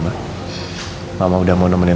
saat mama tau kau cintai andien